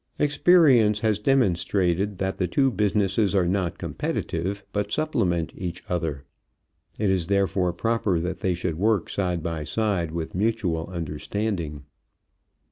Experience has demonstrated that the two businesses are not competitive, but supplement each other. It is therefore proper that they should work side by side with mutual understanding.